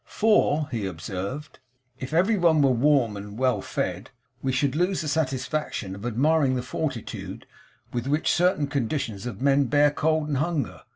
'For' (he observed), 'if every one were warm and well fed, we should lose the satisfaction of admiring the fortitude with which certain conditions of men bear cold and hunger.